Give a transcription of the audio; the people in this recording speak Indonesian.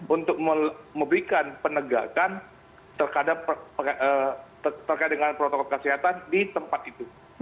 untuk memberikan penegakan terkait dengan protokol kesehatan di tempat itu